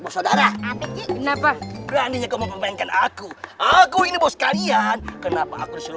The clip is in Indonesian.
saudara kenapa peraninya kau memainkan aku aku ini bos kalian kenapa aku disuruh